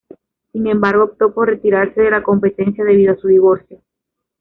Sin embargo, optó por retirarse de la competencia debido a su divorcio.